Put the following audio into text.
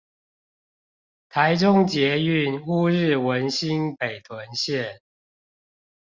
台中捷運烏日文心北屯線